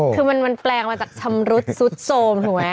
คือมันแปลงมาจากชำรุดซุดโทรมถูกไหม